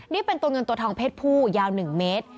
นี่เป็นตัวเงินตัวทองเพศผู้ยาว๑เมตร